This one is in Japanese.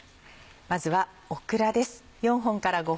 まずはオクラです。